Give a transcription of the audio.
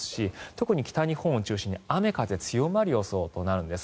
特に北日本を中心に雨風が強まる予想となるんです。